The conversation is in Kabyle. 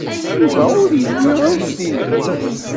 Yuba ur yelli anect-nnek.